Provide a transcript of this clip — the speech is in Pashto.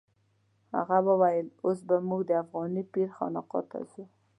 هغه وویل اوس به موږ د افغاني پیر خانقا ته ځو.